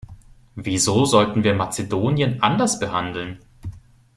Wieso sollten wir Mazedonien anders behandeln?